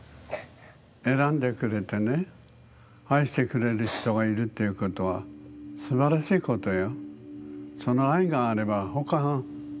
選んでくれてね愛してくれる人がいるっていうことはすばらしいことよ。